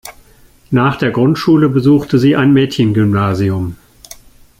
Nach der Grundschule besuchte sie ein Mädchengymnasium.